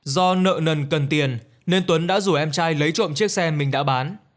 do nợ nần cần tiền nên tuấn đã rủ em trai lấy trộm chiếc xe mình đã bán